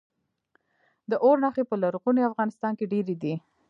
د اور نښې په لرغوني افغانستان کې ډیرې دي